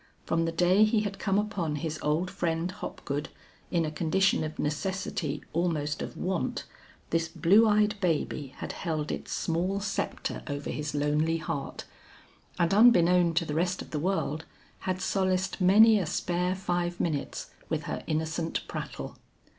From the day he had come upon his old friend Hopgood in a condition of necessity almost of want, this blue eyed baby had held its small sceptre over his lonely heart, and unbeknown to the rest of the world, had solaced many a spare five minutes with her innocent prattle.